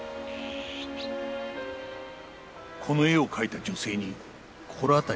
この絵を描いた女性に心当たりがありますか？